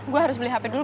gue harus beli hp dulu